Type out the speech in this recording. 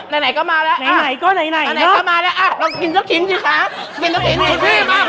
ใหนไหนก็มาแล้วอาหว่างกินเจ้าขิงสิคะเค้ากินเจ้าขิง